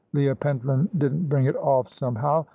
Leah Pentland didn't bring it off somehow.